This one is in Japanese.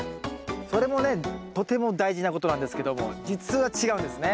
それもねとても大事なことなんですけども実は違うんですね。